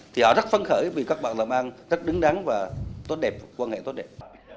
thì họ rất phân khởi vì các bạn là mang rất đứng đáng và quan hệ tốt đẹp